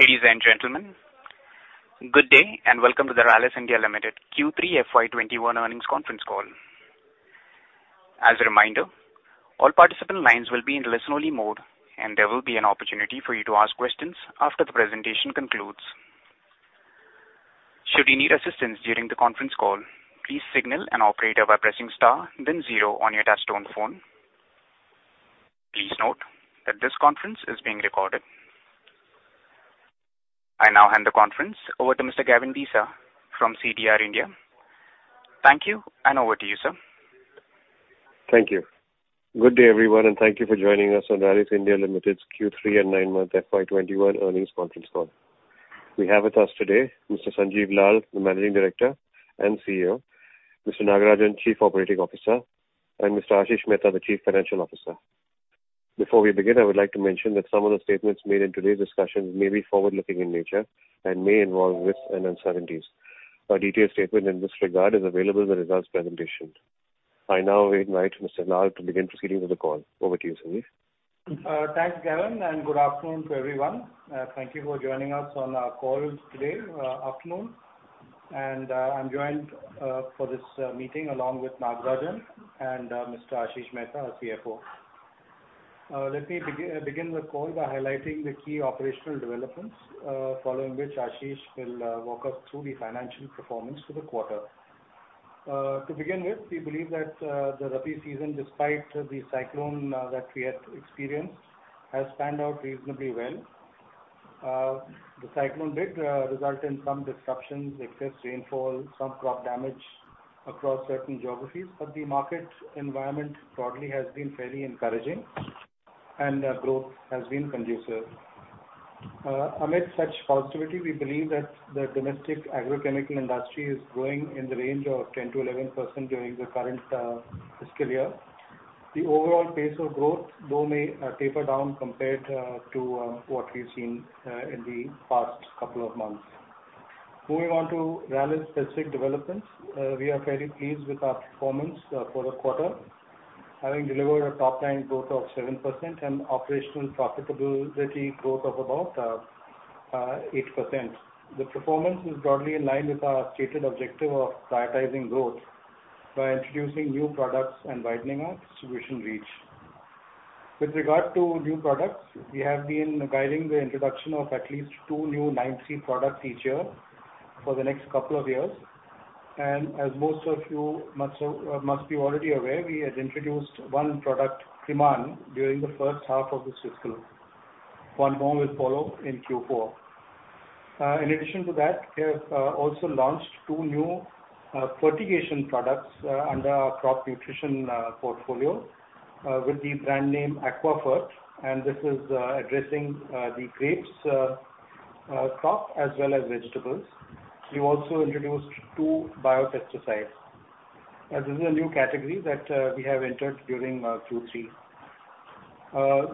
Ladies and gentlemen, good day. Welcome to the Rallis India Limited Q3 FY 2021 earnings conference call. As a reminder, all participant lines will be in listen-only mode. There will be an opportunity for you to ask questions after the presentation concludes. Should you need assistance during the conference call, please signal an operator by pressing * then 0 on your touch-tone phone. Please note that this conference is being recorded. I now hand the conference over to Mr. Gavin Desa from CDR India. Thank you. Over to you, sir. Thank you. Good day, everyone. Thank you for joining us on Rallis India Limited's Q3 and nine-month FY 2021 earnings conference call. We have with us today Mr. Sanjiv Lal, the Managing Director and CEO; Mr. Nagarajan, Chief Operating Officer; and Mr. Ashish Mehta, the Chief Financial Officer. Before we begin, I would like to mention that some of the statements made in today's discussions may be forward-looking in nature and may involve risks and uncertainties. A detailed statement in this regard is available in the results presentation. I now invite Mr. Lal to begin proceedings with the call. Over to you, Sanjiv. Thanks, Gavin. Good afternoon to everyone. Thank you for joining us on our call today afternoon. I'm joined for this meeting along with Nagarajan and Mr. Ashish Mehta, our CFO. Let me begin the call by highlighting the key operational developments, following which Ashish will walk us through the financial performance for the quarter. To begin with, we believe that the Rabi season, despite the cyclone that we had experienced, has panned out reasonably well. The cyclone did result in some disruptions, excess rainfall, some crop damage across certain geographies, the market environment broadly has been fairly encouraging and growth has been conducive. Amid such positivity, we believe that the domestic agrochemical industry is growing in the range of 10%-11% during the current fiscal year. The overall pace of growth, though, may taper down compared to what we've seen in the past couple of months. Moving on to Rallis specific developments. We are fairly pleased with our performance for the quarter, having delivered a top-line growth of 7% and operational profitability growth of about 8%. The performance is broadly in line with our stated objective of prioritizing growth by introducing new products and widening our distribution reach. With regard to new products, we have been guiding the introduction of at least two new 9(3) products each year for the next couple of years. As most of you must be already aware, we had introduced one product, Kriman, during the first half of this fiscal. One more will follow in Q4. In addition to that, we have also launched two new fertigation products under our crop nutrition portfolio with the brand name Aquafert. This is addressing the grapes crop as well as vegetables. We also introduced two biopesticides, as this is a new category that we have entered during Q3.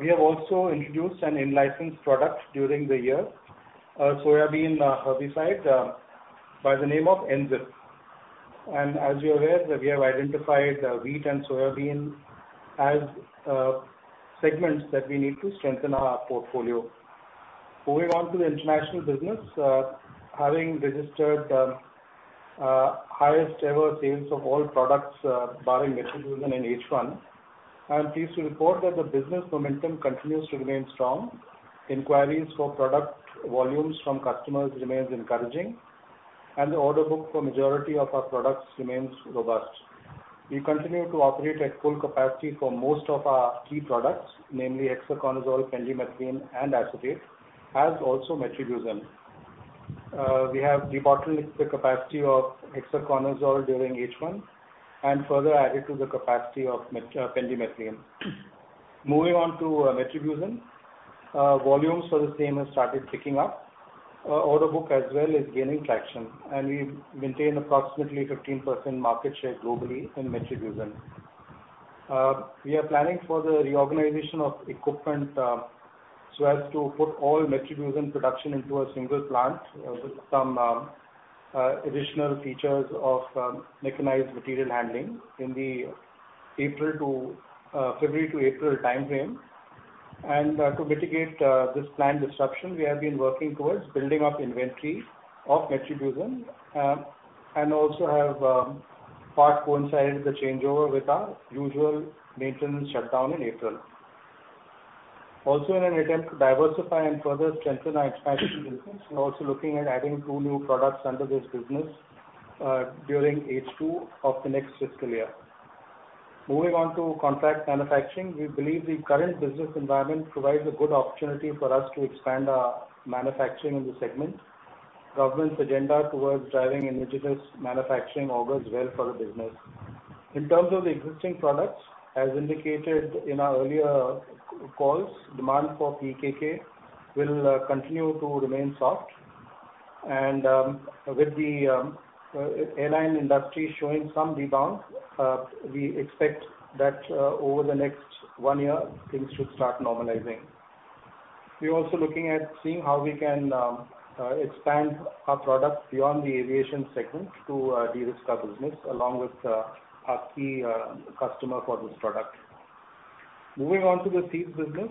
We have also introduced an in-licensed product during the year, a soybean herbicide by the name of Enzip. As you're aware, we have identified wheat and soybean as segments that we need to strengthen our portfolio. Moving on to the international business. Having registered the highest ever sales of all products barring metribuzin in H1, I am pleased to report that the business momentum continues to remain strong. Inquiries for product volumes from customers remains encouraging, and the order book for majority of our products remains robust. We continue to operate at full capacity for most of our key products, namely hexaconazole, pendimethalin, and acephate, as also metribuzin. We have debottlenecked the capacity of hexaconazole during H1 and further added to the capacity of pendimethalin. Moving on to metribuzin. Volumes for the same have started picking up. Order book as well is gaining traction, we maintain approximately 15% market share globally in metribuzin. We are planning for the reorganization of equipment so as to put all metribuzin production into a single plant with some additional features of mechanized material handling in the February to April timeframe. To mitigate this planned disruption, we have been working towards building up inventory of metribuzin, and also have part coincided the changeover with our usual maintenance shutdown in April. In an attempt to diversify and further strengthen our expansion business, we're also looking at adding two new products under this business during H2 of the next fiscal year. Moving on to contract manufacturing. We believe the current business environment provides a good opportunity for us to expand our manufacturing in the segment. Government's agenda towards driving indigenous manufacturing augurs well for the business. In terms of the existing products, as indicated in our earlier calls, demand for PKK will continue to remain soft. With the airline industry showing some rebound, we expect that over the next one year, things should start normalizing. We're also looking at seeing how we can expand our product beyond the aviation segment to de-risk our business along with our key customer for this product. Moving on to the seeds business.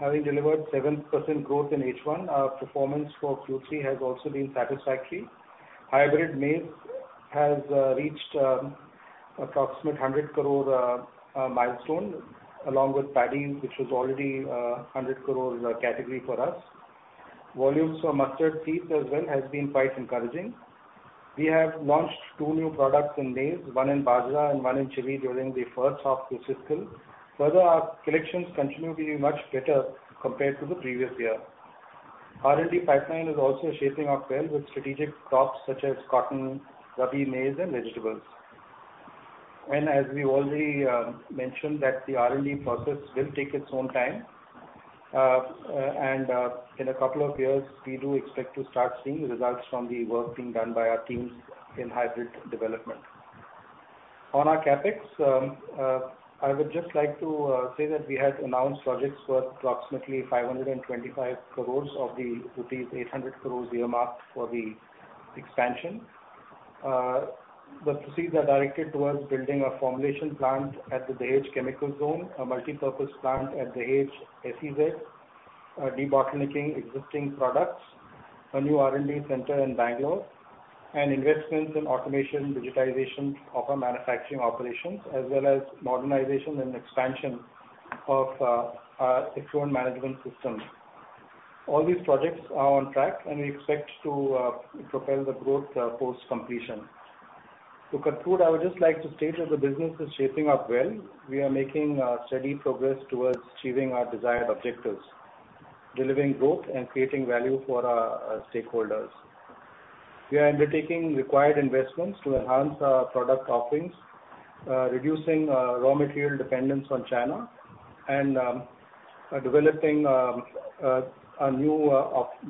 Having delivered 7% growth in H1, our performance for Q3 has also been satisfactory. Hybrid maize has reached approximate 100 crore milestone along with paddy, which was already 100 crore category for us. Volumes for mustard seeds as well has been quite encouraging. We have launched two new products in maize, one in bajra and one in jowar during the first half of this fiscal. Further, our collections continue to be much better compared to the previous year. R&D pipeline is also shaping up well with strategic crops such as cotton, Rabi maize and vegetables. As we already mentioned that the R&D process will take its own time, and in a couple of years, we do expect to start seeing results from the work being done by our teams in hybrid development. On our CapEx, I would just like to say that we had announced projects worth approximately 525 crores of the rupees 800 crores earmarked for the expansion. The proceeds are directed towards building a formulation plant at the Dahej Chemical Zone, a Multi-Purpose Plant at Dahej SEZ, debottlenecking existing products, a new R&D center in Bangalore, and investments in automation, digitization of our manufacturing operations, as well as modernization and expansion of our HR management systems. All these projects are on track, we expect to propel the growth post-completion. To conclude, I would just like to state that the business is shaping up well. We are making steady progress towards achieving our desired objectives, delivering growth and creating value for our stakeholders. We are undertaking required investments to enhance our product offerings, reducing raw material dependence on China, and developing a new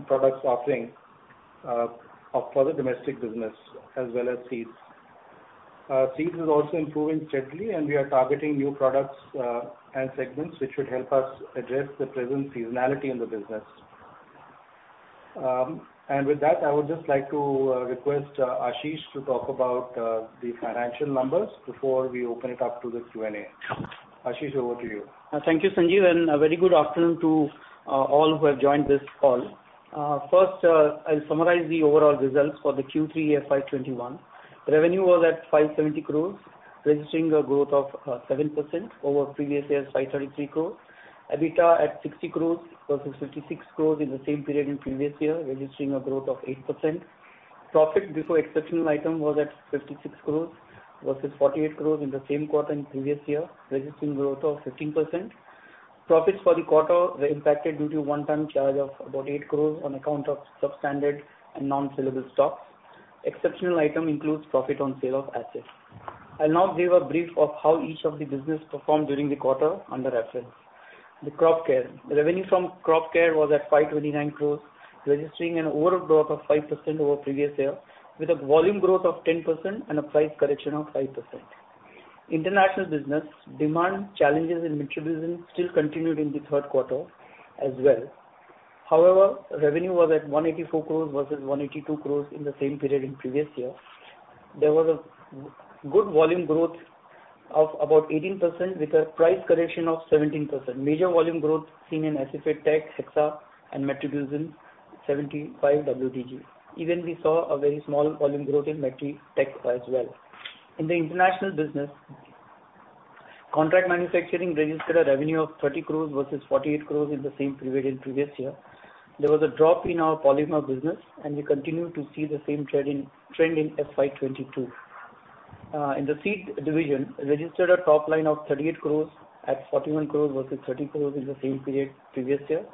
product offering for the domestic business as well as seeds. Seeds is also improving steadily, we are targeting new products and segments, which should help us address the present seasonality in the business. With that, I would just like to request Ashish to talk about the financial numbers before we open it up to the Q&A. Ashish, over to you. Thank you, Sanjiv, a very good afternoon to all who have joined this call. First, I'll summarize the overall results for the Q3 FY 2021. Revenue was at 570 crores, registering a growth of 7% over previous year's 533 crores. EBITDA at 60 crores versus 56 crores in the same period in previous year, registering a growth of 8%. Profit before exceptional item was at 56 crores versus 48 crores in the same quarter in previous year, registering growth of 15%. Profits for the quarter were impacted due to a one-time charge of about 8 crores on account of substandard and non-sellable stocks. Exceptional item includes profit on sale of assets. I'll now give a brief of how each of the business performed during the quarter under reference. The crop care. Revenue from crop care was at 529 crores, registering an overall growth of 5% over the previous year, with a volume growth of 10% and a price correction of 5%. International business demand challenges in metribuzin still continued in the third quarter as well. However, revenue was at 184 crores versus 182 crores in the same period in the previous year. There was a good volume growth of about 18% with a price correction of 17%. Major volume growth seen in acephate Technical, Hexa, and metribuzin 75 WDG. Even we saw a very small volume growth in Metri as well. In the international business, contract manufacturing registered a revenue of 30 crores versus 48 crores in the same period in the previous year. There was a drop in our polymer business, we continue to see the same trend in FY 2022. In the seed division, registered a top line of 38 crores at 41 crores versus 30 crores in the same period the previous year.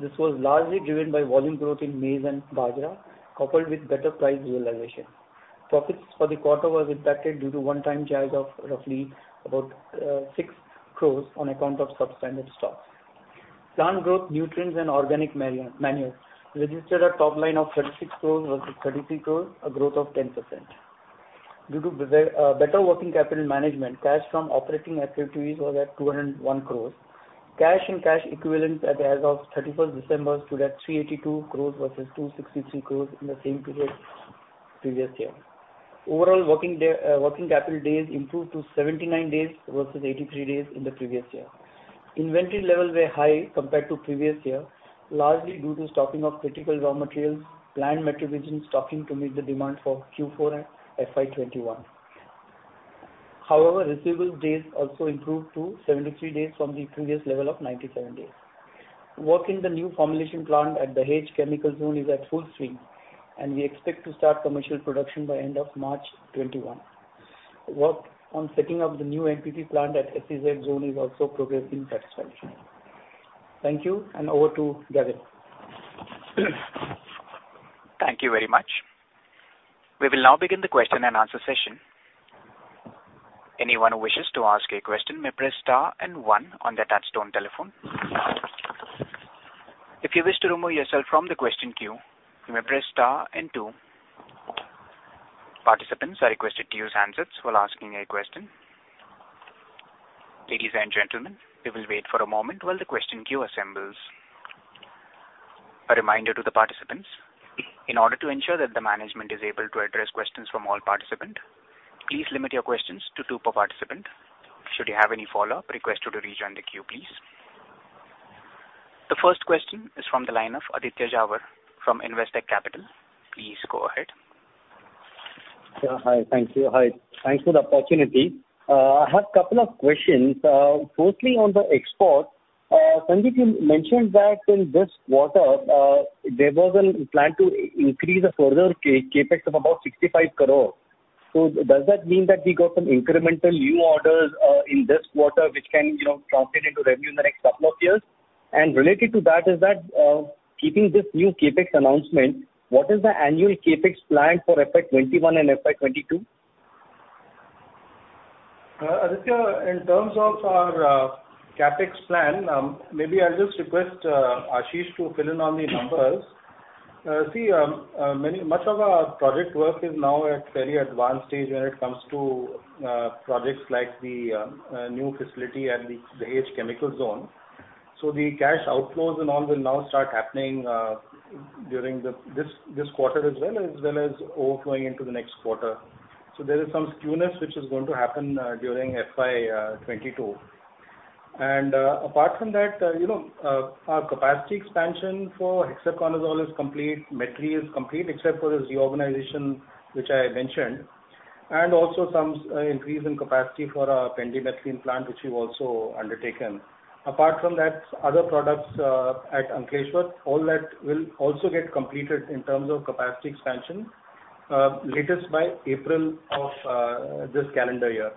This was largely driven by volume growth in maize and bajra, coupled with better price realization. Profits for the quarter were impacted due to a one-time charge of roughly about 6 crores on account of substandard stocks. Plant growth nutrients and organic manure registered a top line of 36 crores versus 33 crores, a growth of 10%. Due to better working capital management, cash from operating activities was at 201 crores. Cash and cash equivalents as of 31st December stood at 382 crores versus 263 crores in the same period the previous year. Overall working capital days improved to 79 days versus 83 days in the previous year. Inventory levels were high compared to the previous year, largely due to stocking of critical raw materials, planned metribuzin stocking to meet the demand for Q4 FY 2021. However, receivable days also improved to 73 days from the previous level of 97 days. Work in the new formulation plant at Dahej Chemical Zone is at full swing, and we expect to start commercial production by the end of March 2021. Work on setting up the new MPP plant at SEZ zone is also progressing satisfactorily. Thank you, and over to Gavin. Thank you very much. We will now begin the question and answer session. Anyone who wishes to ask a question may press star and one on their touchtone telephone. If you wish to remove yourself from the question queue, you may press star and two. Participants are requested to use handsets while asking a question. Ladies and gentlemen, we will wait for a moment while the question queue assembles. A reminder to the participants. In order to ensure that the management is able to address questions from all participants, please limit your questions to two per participant. Should you have any follow-up, request you to rejoin the queue, please. The first question is from the line of Aditya Jhawar from Investec Capital. Please go ahead. Sir. Hi. Thank you. Hi. Thanks for the opportunity. I have couple of questions. Firstly, on the export, Sanjiv, you mentioned that in this quarter, there was a plan to increase a further CapEx of about 65 crore. Does that mean that we got some incremental new orders in this quarter, which can translate into revenue in the next couple of years? Related to that, keeping this new CapEx announcement, what is the annual CapEx plan for FY 2021 and FY 2022? Aditya, in terms of our CapEx plan, maybe I'll just request Ashish to fill in on the numbers. Much of our project work is now at very advanced stage when it comes to projects like the new facility at the Dahej Special Chemical Zone. The cash outflows and all will now start happening during this quarter as well, as well as overflowing into the next quarter. There is some skewness which is going to happen during FY 2022. Apart from that, our capacity expansion for hexaconazole is complete, Metri is complete, except for the reorganization which I mentioned, and also some increase in capacity for our pendimethalin plant, which we've also undertaken. Apart from that, other products at Ankleshwar, all that will also get completed in terms of capacity expansion latest by April of this calendar year.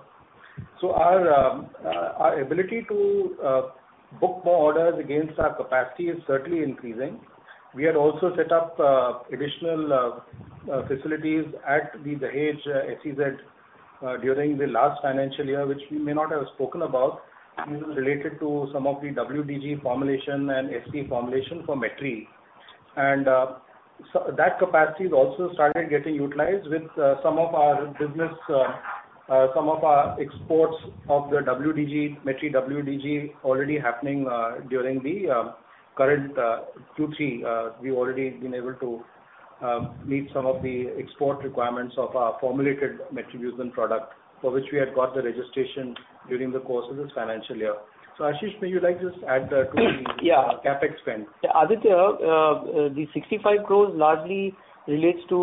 Our ability to book more orders against our capacity is certainly increasing. We had also set up additional facilities at the Dahej SEZ during the last financial year, which we may not have spoken about. This is related to some of the WDG formulation and SC formulation for Metri. That capacity has also started getting utilized with some of our exports of the Metri WDG already happening during the current Q3. We've already been able to meet some of the export requirements of our formulated metribuzin product, for which we had got the registration during the course of this financial year. Ashish, may you just add to the CapEx spend? Aditya, the 65 crores largely relates to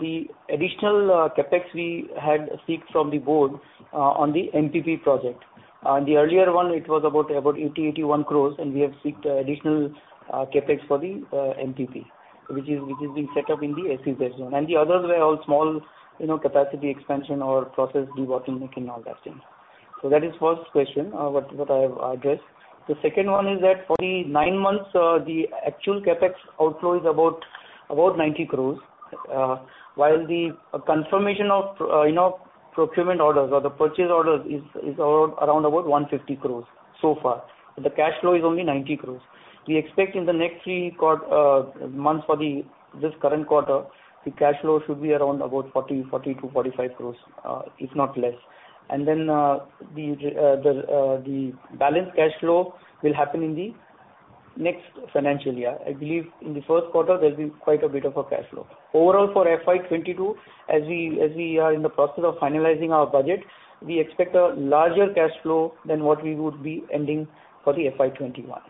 the additional CapEx we had seeked from the board on the MPP project. The earlier one, it was about 80-81 crores, we have seeked additional CapEx for the MPP, which is being set up in the SEZ zone. The others were all small capacity expansion or process reworking and all that thing. That is first question what I have addressed. The second one is that for the nine months, the actual CapEx outflow is about 90 crores. While the confirmation of procurement orders or the purchase orders is around about 150 crores so far. The cash flow is only 90 crores. We expect in the next 3 months for this current quarter, the cash flow should be around about 40-45 crores, if not less. The balance cash flow will happen in the next financial year. I believe in the first quarter, there will be quite a bit of a cash flow. Overall for FY 2022, as we are in the process of finalizing our budget, we expect a larger cash flow than what we would be ending for the FY 2021.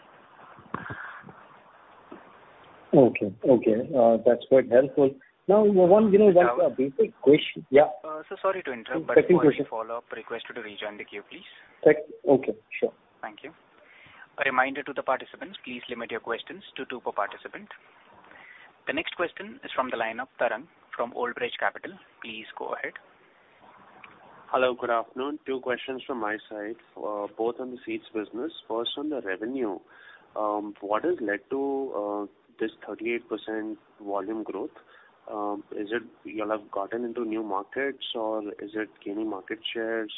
That's quite helpful. Jhawar basic question. Yeah. Sir, sorry to interrupt. Before any follow-up, request you to rejoin the queue, please. Okay. Sure. Thank you. A reminder to the participants, please limit your questions to two per participant. The next question is from the line of Tarang from Old Bridge Capital Management. Please go ahead. Hello, good afternoon. Two questions from my side, both on the seeds business. First, on the revenue. What has led to this 38% volume growth? Is it you'll have gotten into new markets or is it gaining market shares?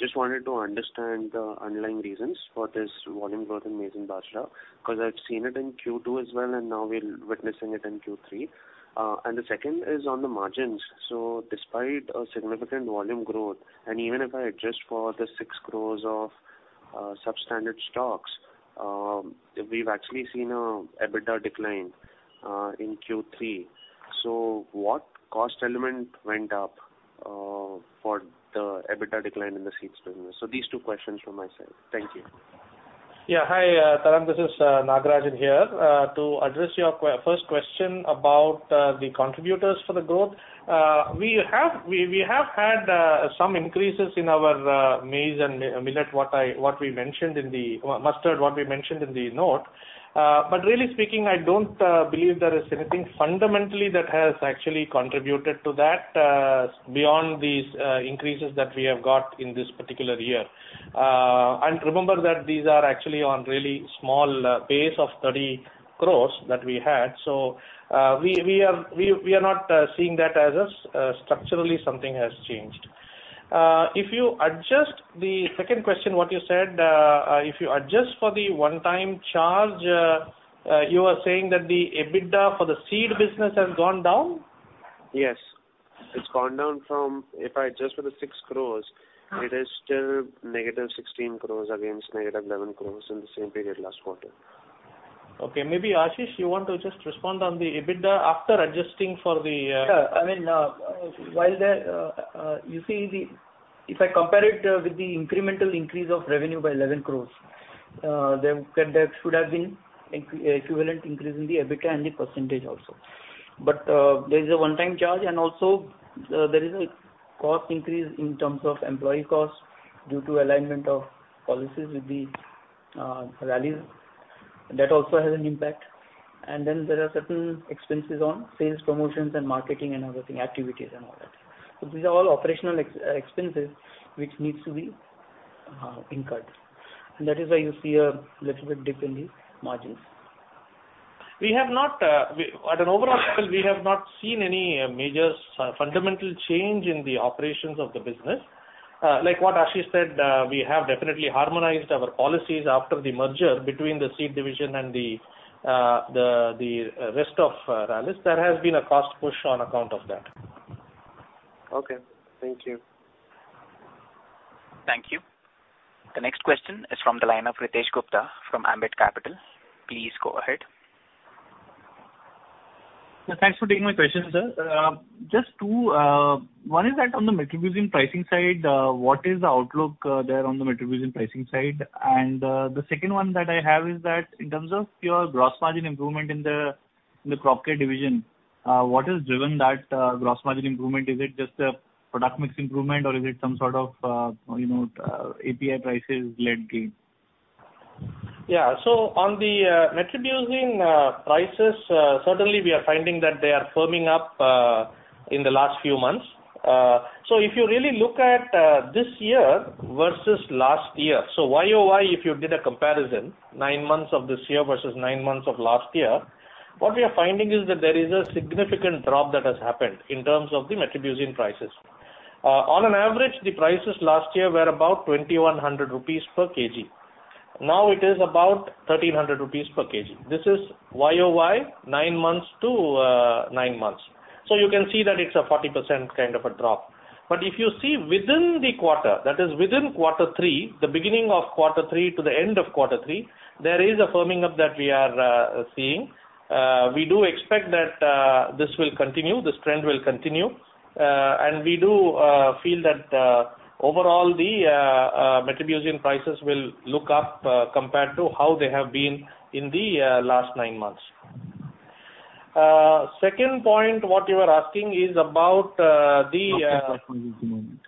Just wanted to understand the underlying reasons for this volume growth in maize and bajra, because I've seen it in Q2 as well, and now we're witnessing it in Q3. The second is on the margins. Despite a significant volume growth, and even if I adjust for the 6 crores of substandard stocks, we've actually seen an EBITDA decline in Q3. What cost element went up for the EBITDA decline in the seeds business? These two questions from my side. Thank you. Yeah. Hi, Taranf. This is Nagarajan here. To address your first question about the contributors for the growth. We have had some increases in our maize and millet, mustard, what we mentioned in the note. Really speaking, I don't believe there is anything fundamentally that has actually contributed to that beyond these increases that we have got in this particular year. Remember that these are actually on really small base of 30 crores that we had. We are not seeing that as a structurally something has changed. The second question, what you said, if you adjust for the one-time charge, you are saying that the EBITDA for the seed business has gone down? Yes. It's gone down from, if I adjust for the 6 crores, it is still negative 16 crores against negative 11 crores in the same period last quarter. Okay. Maybe Ashish, you want to just respond on the EBITDA after adjusting for the- Sure. If I compare it with the incremental increase of revenue by 11 crores, there should have been equivalent increase in the EBITDA and the % also. There is a one-time charge, and also there is a cost increase in terms of employee costs due to alignment of policies with Rallis. That also has an impact. There are certain expenses on sales promotions and marketing and other things, activities and all that. These are all operational expenses which needs to be incurred. That is why you see a little bit dip in the margins. At an overall level, we have not seen any major fundamental change in the operations of the business. Like what Ashish said, we have definitely harmonized our policies after the merger between the seed division and the rest of Rallis. There has been a cost push on account of that. Okay. Thank you. Thank you. The next question is from the line of Ritesh Gupta from Ambit Capital. Please go ahead. Thanks for taking my question, sir. One is that on the metribuzin pricing side, what is the outlook there on the metribuzin pricing side? The second one that I have is that in terms of your gross margin improvement in the crop care division, what has driven that gross margin improvement? Is it just a product mix improvement or is it some sort of API prices led gain? On the metribuzin prices, certainly we are finding that they are firming up in the last few months. If you really look at this year versus last year, Y-o-Y, if you did a comparison, nine months of this year versus nine months of last year, what we are finding is that there is a significant drop that has happened in terms of the metribuzin prices. On an average, the prices last year were about 2,100 rupees per kg. Now it is about 1,300 rupees per kg. This is Y-o-Y, nine months to nine months. You can see that it's a 40% kind of a drop. If you see within the quarter, that is within quarter three, the beginning of quarter three to the end of quarter three, there is a firming up that we are seeing. We do expect that this trend will continue. We do feel that overall the metribuzin prices will look up compared to how they have been in the last nine months. Second point, what you were asking is about. Gross margin improvement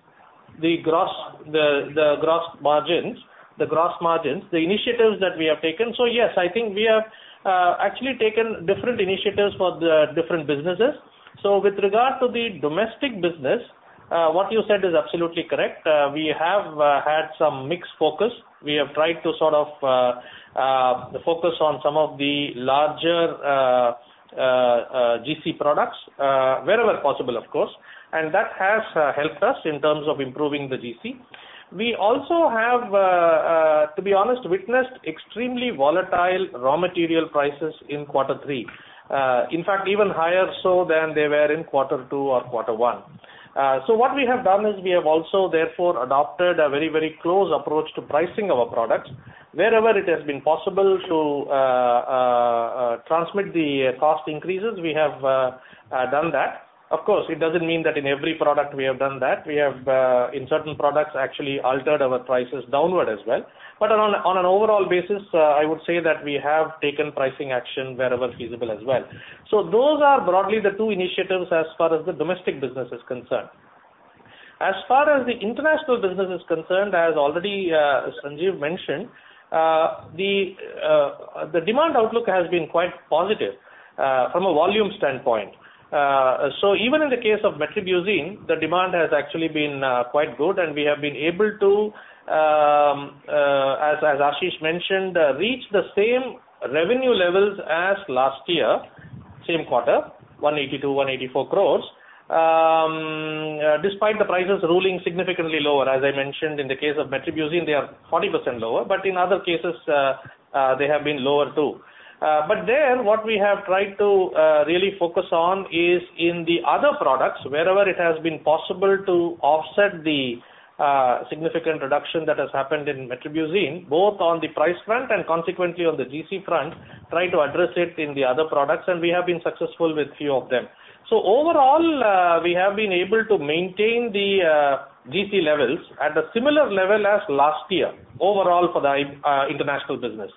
the gross margins, the initiatives that we have taken. Yes, I think we have actually taken different initiatives for the different businesses. With regard to the domestic business, what you said is absolutely correct. We have had some mixed focus. We have tried to sort of focus on some of the larger GC products, wherever possible, of course, and that has helped us in terms of improving the GC. We also have, to be honest, witnessed extremely volatile raw material prices in quarter 3. In fact, even higher so than they were in quarter 2 or quarter 1. What we have done is we have also, therefore, adopted a very close approach to pricing our products. Wherever it has been possible to transmit the cost increases, we have done that. Of course, it doesn't mean that in every product we have done that. We have, in certain products, actually altered our prices downward as well. On an overall basis, I would say that we have taken pricing action wherever feasible as well. Those are broadly the two initiatives as far as the domestic business is concerned. As far as the international business is concerned, as already Sanjiv mentioned, the demand outlook has been quite positive from a volume standpoint. Even in the case of metribuzin, the demand has actually been quite good, and we have been able to, as Ashish mentioned, reach the same revenue levels as last year, same quarter, 182 crore, 184 crore, despite the prices ruling significantly lower. As I mentioned, in the case of metribuzin, they are 40% lower, but in other cases, they have been lower, too. There, what we have tried to really focus on is in the other products, wherever it has been possible to offset the significant reduction that has happened in metribuzin, both on the price front and consequently on the GC front, try to address it in the other products, and we have been successful with few of them. Overall, we have been able to maintain the GC levels at a similar level as last year overall for the international business.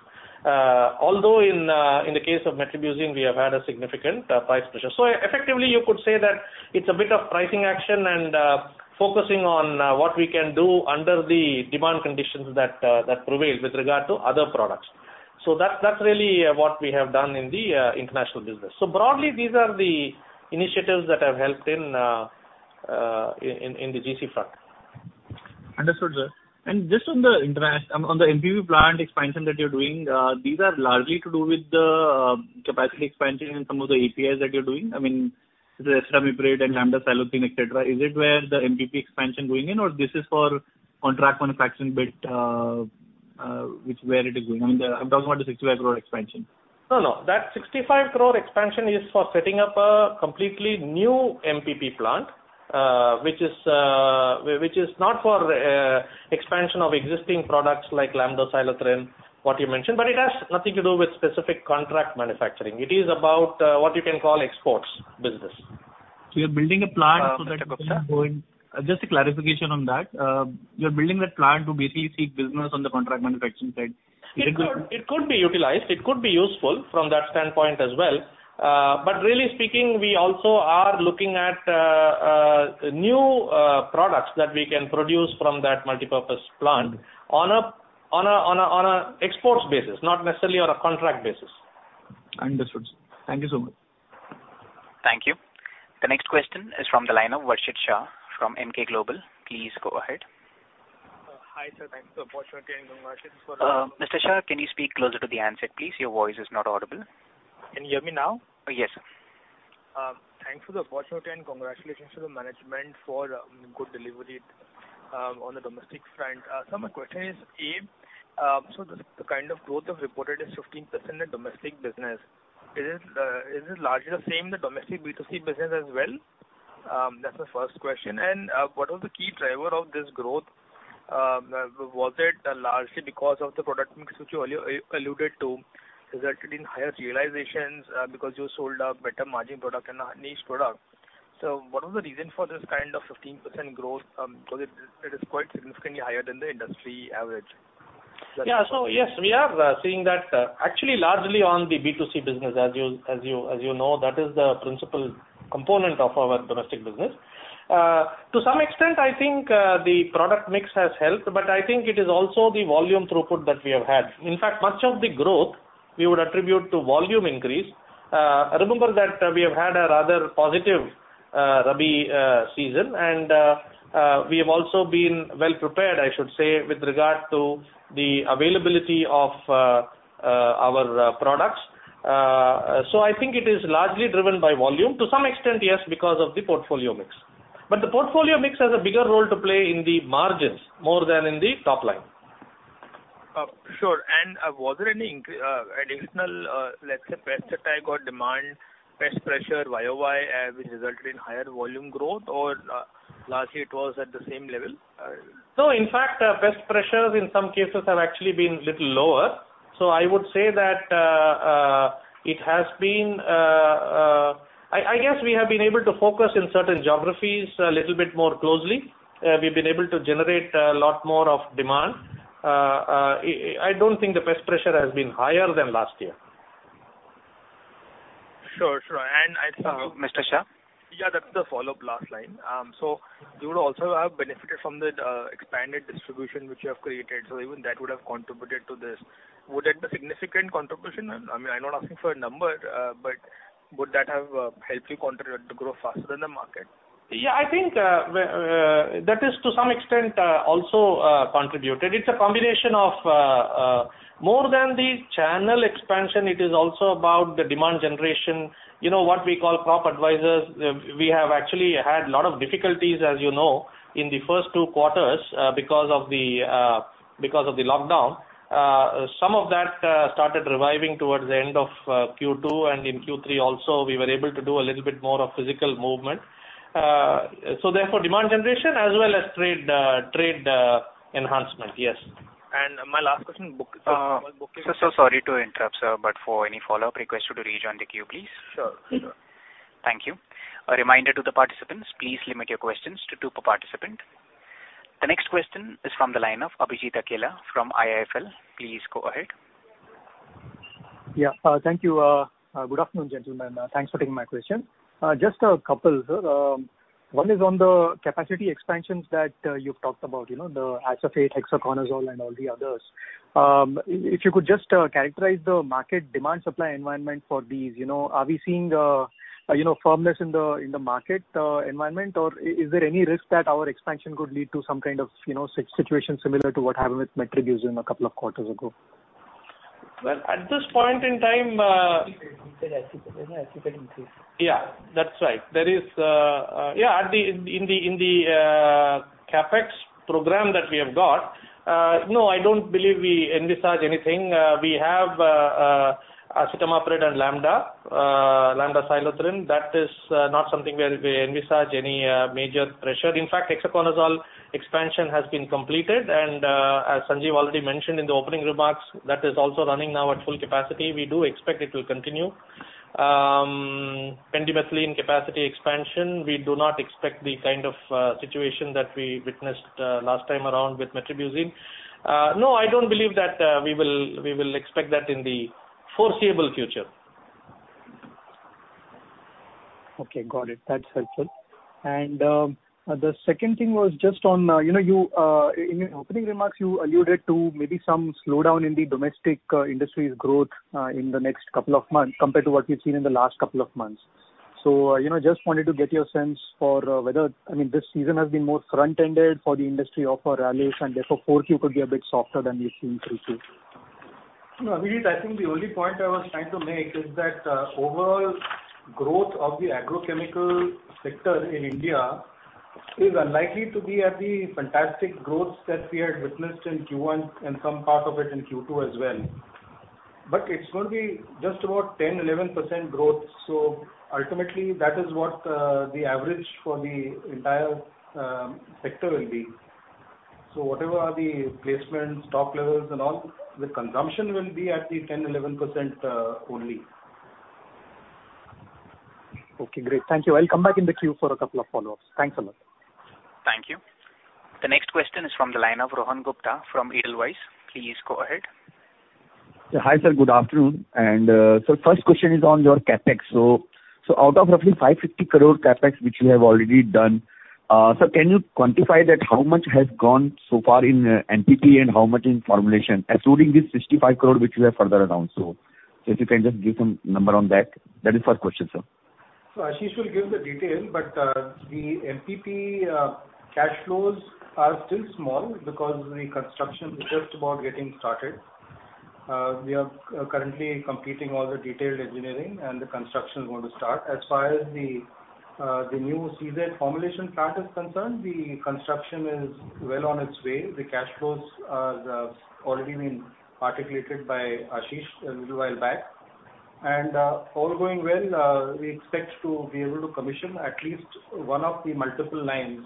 Although in the case of metribuzin, we have had a significant price pressure. Effectively, you could say that it's a bit of pricing action and focusing on what we can do under the demand conditions that prevail with regard to other products. That's really what we have done in the international business. Broadly, these are the initiatives that have helped in the GC front. Understood, sir. Just on the MPP plant expansion that you're doing, these are largely to do with the capacity expansion and some of the APIs that you're doing. I mean, the acetamiprid and lambda-cyhalothrin, et cetera. Is it where the MPP expansion going in, or this is for contract manufacturing bit which where it is going? I mean, I'm talking about the 65 crore expansion. No, no. That 65 crore expansion is for setting up a completely new MPP plant, which is not for expansion of existing products like lambda-cyhalothrin, what you mentioned, but it has nothing to do with specific contract manufacturing. It is about what you can call exports business. You're building a plant. Just a clarification on that. You're building that plant to basically seek business on the contract manufacturing side. It could be utilized. It could be useful from that standpoint as well. Really speaking, we also are looking at new products that we can produce from that multipurpose plant on an exports basis, not necessarily on a contract basis. Understood, sir. Thank you so much. Thank you. The next question is from the line of Varshit Shah from Emkay Global. Please go ahead. Hi, sir, thanks for the opportunity. Mr. Shah, can you speak closer to the handset, please? Your voice is not audible. Can you hear me now? Yes, sir. Thanks for the opportunity and congratulations to the management for good delivery on the domestic front. Sir, my question is, A, the kind of growth you've reported is 15% in domestic business. Is it largely the same in the domestic B2C business as well? That's my first question. What are the key driver of this growth? Was it largely because of the product mix, which you alluded to, resulted in higher realizations because you sold a better margin product and a niche product? What was the reason for this kind of 15% growth? Because it is quite significantly higher than the industry average. Yes, we are seeing that actually largely on the B2C business, as you know, that is the principal component of our domestic business. To some extent, I think the product mix has helped, but I think it is also the volume throughput that we have had. In fact, much of the growth we would attribute to volume increase. Remember that we have had a rather positive rabi season, we have also been well prepared, I should say, with regard to the availability of our products. I think it is largely driven by volume to some extent, yes, because of the portfolio mix. The portfolio mix has a bigger role to play in the margins more than in the top line. Sure. Was there any additional, let's say, pest attack or demand, pest pressure YOY, which resulted in higher volume growth, or largely it was at the same level? In fact, pest pressures in some cases have actually been little lower. I would say that I guess we have been able to focus in certain geographies a little bit more closely. We've been able to generate a lot more of demand. I don't think the pest pressure has been higher than last year. Sure. Mr. Shah. Yeah, that's the follow-up last line. You would also have benefited from the expanded distribution which you have created. Even that would have contributed to this. Would that be a significant contribution? I mean, I'm not asking for a number, but would that have helped you contribute to grow faster than the market? I think that is to some extent also contributed. It's a combination of more than the channel expansion. It is also about the demand generation, what we call crop advisors. We have actually had a lot of difficulties, as you know, in the first two quarters because of the lockdown. Some of that started reviving towards the end of Q2, and in Q3 also, we were able to do a little bit more of physical movement. Therefore, demand generation as well as trade enhancement, yes. My last question. Sir, so sorry to interrupt, sir, for any follow-up, request you to rejoin the queue, please. Sure. Thank you. A reminder to the participants, please limit your questions to two per participant. The next question is from the line of Abhijit Akella from IIFL. Please go ahead. Yeah. Thank you. Good afternoon, gentlemen, and thanks for taking my question. Just a couple, sir. One is on the capacity expansions that you've talked about, the acephate, hexaconazole, and all the others. If you could just characterize the market demand supply environment for these. Are we seeing firmness in the market environment, or is there any risk that our expansion could lead to some kind of situation similar to what happened with metribuzin a couple of quarters ago? Well, at this point in time. Acephate increase. Yeah, that's right. In the CapEx program that we have got, no, I don't believe we envisage anything. We have acetamiprid and lambda-cyhalothrin. That is not something where we envisage any major pressure. In fact, hexaconazole expansion has been completed, and as Sanjiv already mentioned in the opening remarks, that is also running now at full capacity. We do expect it will continue. Pendimethalin capacity expansion, we do not expect the kind of situation that we witnessed last time around with metribuzin. No, I don't believe that we will expect that in the foreseeable future. Okay, got it. That's helpful. The second thing was just on, in your opening remarks, you alluded to maybe some slowdown in the domestic industry's growth in the next couple of months compared to what we've seen in the last couple of months. Just wanted to get your sense for whether, I mean, this season has been more front-ended for the industry of Rallis, and therefore Q4 could be a bit softer than we've seen in Q3. No, Abhijit, I think the only point I was trying to make is that the overall growth of the agrochemical sector in India is unlikely to be at the fantastic growth that we had witnessed in Q1 and some part of it in Q2 as well. It's going to be just about 10%-11% growth. Ultimately, that is what the average for the entire sector will be. Whatever are the placements, stock levels and all, the consumption will be at the 10%-11% only. Okay, great. Thank you. I'll come back in the queue for a couple of follow-ups. Thanks a lot. Thank you. The next question is from the line of Rohan Gupta from Edelweiss. Please go ahead. Hi, sir. Good afternoon. First question is on your CapEx. Out of roughly 550 crore CapEx, which you have already done, sir, can you quantify that how much has gone so far in MPP and how much in formulation, excluding this 65 crore which you have further announced? If you can just give some number on that. That is first question, sir. Ashish will give the detail, but the MPP cash flows are still small because the construction is just about getting started. We are currently completing all the detailed engineering, and the construction is going to start. As far as the new CZ formulation plant is concerned, the construction is well on its way. The cash flows have already been articulated by Ashish a little while back. All going well, we expect to be able to commission at least one of the multiple lines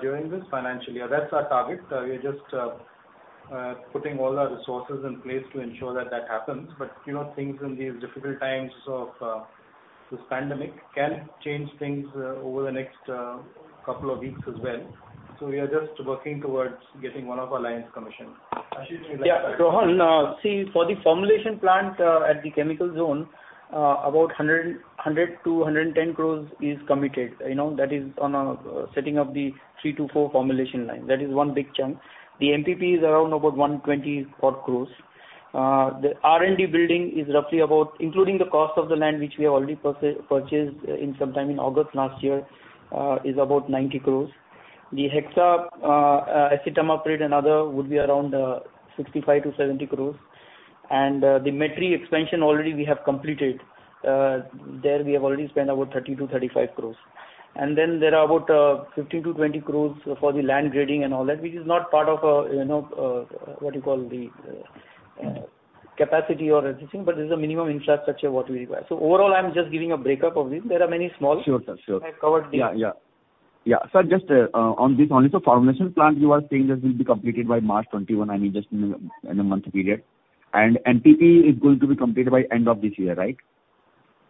during this financial year. That's our target. We are just putting all our resources in place to ensure that that happens. Things in these difficult times of this pandemic can change things over the next couple of weeks as well. We are just working towards getting one of our lines commissioned. Ashish will elaborate. Rohan, see, for the formulation plant at the chemical zone, about 100 crores-110 crores is committed. That is on setting up the three to four formulation lines. That is one big chunk. The MPP is around about 120 odd crores. The R&D building is roughly about, including the cost of the land, which we have already purchased sometime in August last year, is about 90 crores. The hexa acetamiprid and other would be around 65 crores-70 crores. The Metri expansion already we have completed. There, we have already spent about 30 crores-35 crores. Then there are about 15 crores-20 crores for the land grading and all that, which is not part of what you call the capacity or anything, but this is a minimum infrastructure what we require. Overall, I'm just giving a breakup of this. There are many small. Sure, sir. Sure. I've covered. Yeah. Sir, just on this only. Formulation plant, you are saying that will be completed by March 2021, I mean, just in a month period. MPP is going to be completed by end of this year, right?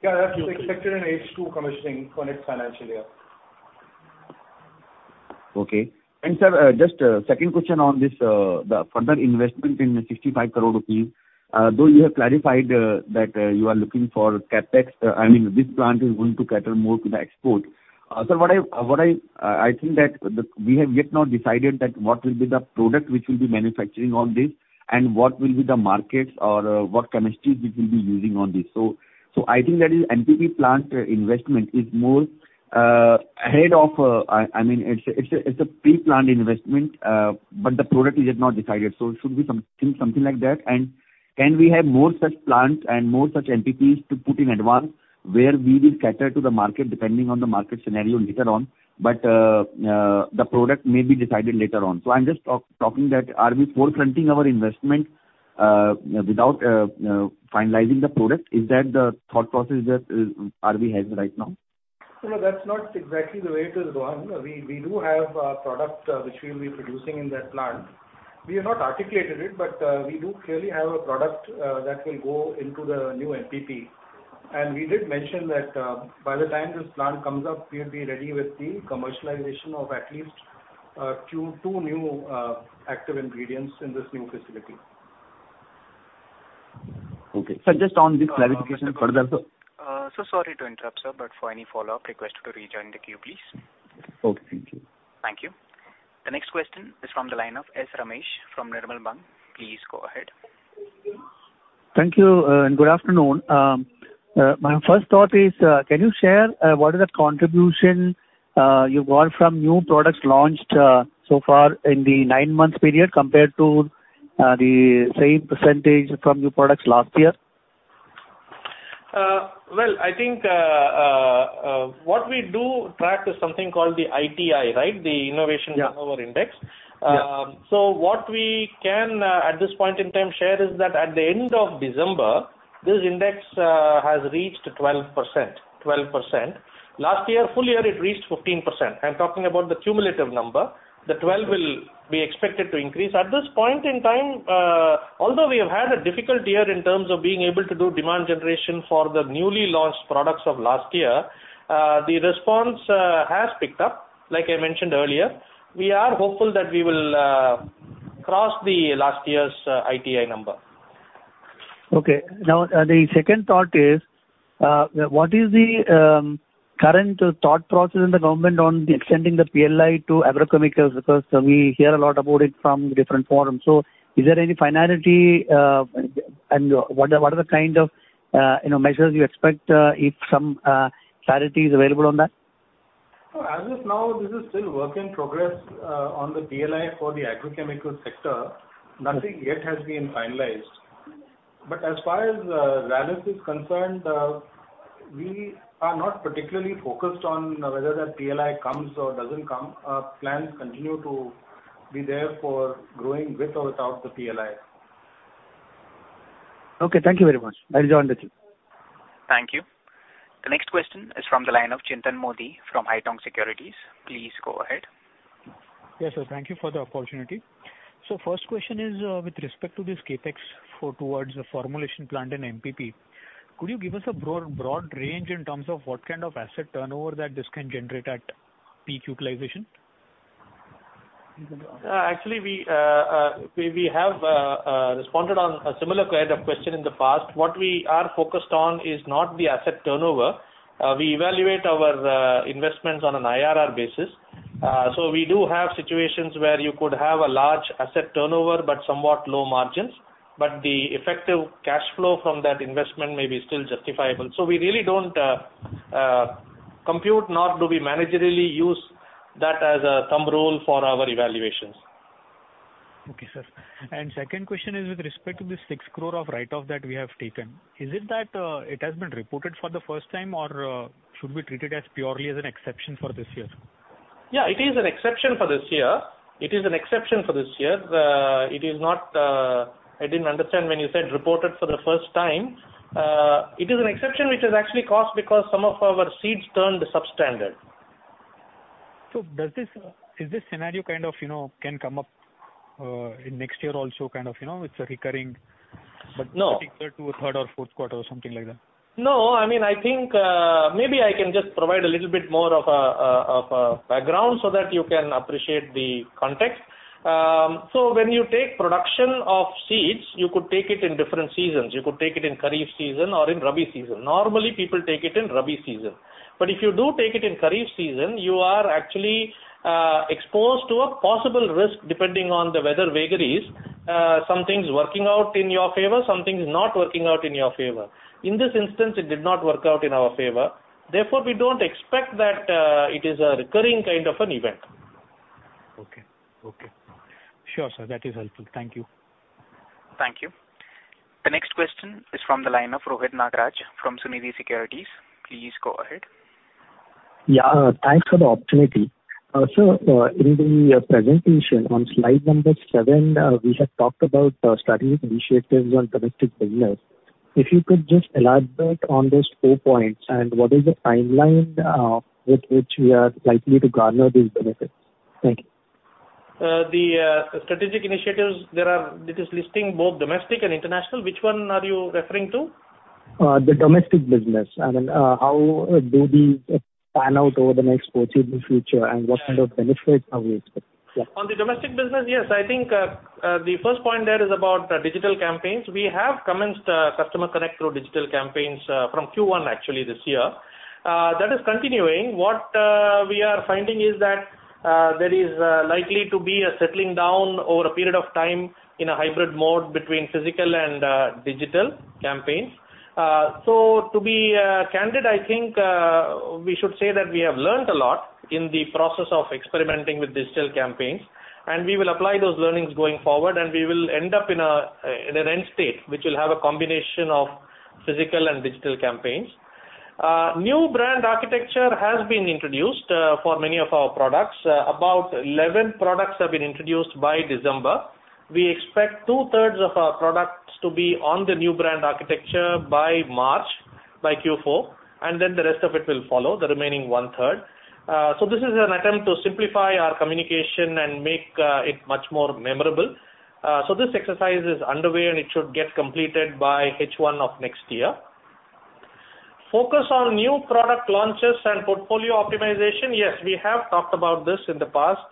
Yeah, that's expected in H2 commissioning for next financial year. Okay. Sir, just second question on this, the further investment in 65 crore rupees. Though you have clarified that you are looking for CapEx, I mean, this plant is going to cater more to the export. Sir, I think that we have yet not decided that what will be the product which we'll be manufacturing on this and what will be the markets or what chemistry we will be using on this. I think that is MPP plant investment is more ahead of I mean, it's a pre-planned investment. The product is yet not decided, so it should be something like that. Can we have more such plants and more such MPPs to put in advance where we will cater to the market depending on the market scenario later on, but the product may be decided later on. I'm just talking that are we forefronting our investment without finalizing the product? Is that the thought process that RV has right now? No, that's not exactly the way it is, Rohan. We do have a product which we'll be producing in that plant. We have not articulated it, but we do clearly have a product that will go into the new MPP. We did mention that by the time this plant comes up, we'll be ready with the commercialization of at least two new active ingredients in this new facility. Okay. Sir, just on this clarification further- Sir, sorry to interrupt, sir, but for any follow-up, request you to rejoin the queue, please. Okay. Thank you. Thank you. The next question is from the line of S. Ramesh from Nirmal Bang. Please go ahead. Thank you, good afternoon. My first thought is, can you share what is the contribution you got from new products launched so far in the nine-month period compared to the same percentage from new products last year? Well, I think what we do track is something called the IPI, right? The Innovation Power Index. Yeah. What we can at this point in time share is that at the end of December, this index has reached 12%. Last year, full year, it reached 15%. I am talking about the cumulative number. The 12 will be expected to increase. At this point in time, although we have had a difficult year in terms of being able to do demand generation for the newly launched products of last year, the response has picked up, like I mentioned earlier. We are hopeful that we will cross the last year's IPI number. Okay. The second thought is, what is the current thought process in the government on extending the PLI to agrochemicals? We hear a lot about it from different forums. Is there any finality, and what are the kind of measures you expect if some clarity is available on that? As of now, this is still work in progress on the PLI for the agrochemical sector. Nothing yet has been finalized. As far as Rallis is concerned, we are not particularly focused on whether that PLI comes or doesn't come. Plans continue to be there for growing with or without the PLI. Okay. Thank you very much. I'll join the queue. Thank you. The next question is from the line of Chintan Modi from Haitong Securities. Please go ahead. Yes, sir. Thank you for the opportunity. First question is with respect to this CapEx towards the formulation plant and MPP. Could you give us a broad range in terms of what kind of asset turnover that this can generate at peak utilization? Actually, we have responded on a similar kind of question in the past. What we are focused on is not the asset turnover. We evaluate our investments on an IRR basis. We do have situations where you could have a large asset turnover, but somewhat low margins, but the effective cash flow from that investment may be still justifiable. We really don't compute, nor do we managerially use that as a thumb rule for our evaluations. Okay, sir. Second question is with respect to the 6 crore of write-off that we have taken. Is it that it has been reported for the first time, or should be treated as purely as an exception for this year? Yeah, it is an exception for this year. It is an exception for this year. I didn't understand when you said reported for the first time. It is an exception which is actually caused because some of our seeds turned substandard. is this scenario kind of can come up in next year also? No particular to third or fourth quarter or something like that? No, I think maybe I can just provide a little bit more of a background so that you can appreciate the context. When you take production of seeds, you could take it in kharif season or in rabi season. Normally, people take it in rabi season. If you do take it in kharif season, you are actually exposed to a possible risk depending on the weather vagaries. Some things working out in your favor, some things not working out in your favor. In this instance, it did not work out in our favor. We don't expect that it is a recurring kind of an event. Okay. Sure, sir. That is helpful. Thank you. Thank you. The next question is from the line of Rohit Nagraj from Sunidhi Securities. Please go ahead. Yeah, thanks for the opportunity. Sir, in the presentation on slide number seven, we had talked about strategic initiatives on domestic business. If you could just elaborate on those four points, and what is the timeline with which we are likely to garner these benefits? Thank you. The strategic initiatives, it is listing both domestic and international. Which one are you referring to? The domestic business, how do these pan out over the next foreseeable future, what kind of benefits are we expecting? On the domestic business, yes. I think the first point there is about digital campaigns. We have commenced Customer Connect through digital campaigns from Q1 actually this year. That is continuing. What we are finding is that there is likely to be a settling down over a period of time in a hybrid mode between physical and digital campaigns. To be candid, I think we should say that we have learnt a lot in the process of experimenting with digital campaigns, we will apply those learnings going forward, we will end up in an end state, which will have a combination of physical and digital campaigns. New brand architecture has been introduced for many of our products. About 11 products have been introduced by December. We expect two-thirds of our products to be on the new brand architecture by March, by Q4, the rest of it will follow, the remaining one-third. This is an attempt to simplify our communication and make it much more memorable. This exercise is underway, it should get completed by H1 of next year. Focus on new product launches and portfolio optimization. Yes, we have talked about this in the past.